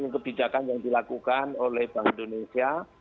kebijakan yang dilakukan oleh bank indonesia